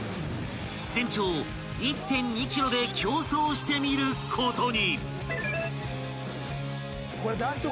［全長１．２ｋｍで競走してみることに］